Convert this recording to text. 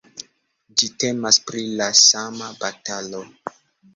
Ĝi temas pri la sama batalo.